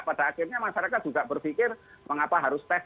pada akhirnya masyarakat juga berpikir mengapa harus tes